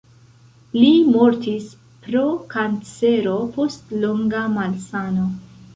Li mortis pro kancero post longa malsano.